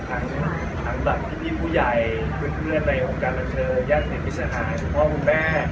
ทั้งพี่ผู้ใหญ่คุณเพื่อนในโครงการรังเทอร์ญาติแห่งภิษฐาคุณพ่อคุณแม่